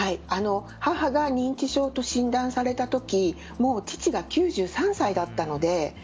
母が認知症と診断された時もう父が９３歳だったので。